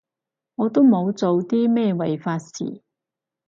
我都冇做啲咩違法事